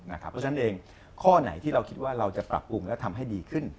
เพราะฉะนั้นเองข้อไหนที่เราคิดว่าเราจะปรับปรุงและทำให้ดีขึ้น